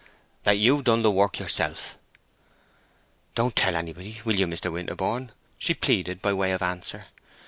"That you've done the work yourself." "Don't you tell anybody, will you, Mr. Winterborne?" she pleaded, by way of answer.